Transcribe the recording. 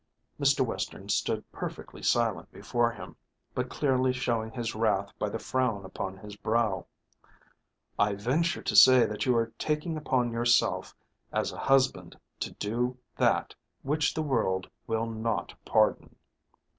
Mr. Western stood perfectly silent before him, but clearly showing his wrath by the frown upon his brow. "I venture to say that you are taking upon yourself as a husband to do that which the world will not pardon."